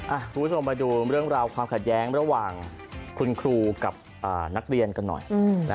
อ่ะครูส่งมาดูเรื่องราวความขาดแย้งระหว่างคุณครูกับอ่านักเรียนกันหน่อยอืม